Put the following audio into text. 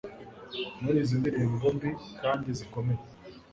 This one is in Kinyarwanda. Muri izi ndirimbo mbi kandi zikomeye